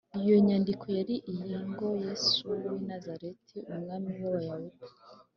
iyo nyandiko yari iyi ngo, “yesu w’i nazareti, umwami w’abayuda